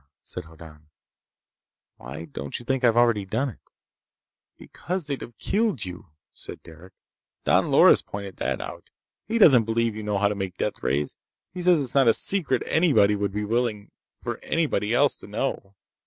"Hm m m," said Hoddan. "Why don't you think I've already done it?" "Because they'd have killed you," said Derec. "Don Loris pointed that out. He doesn't believe you know how to make deathrays. He says it's not a secret anybody would be willing for anybody else to know.